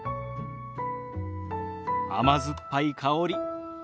甘酸っぱい香り。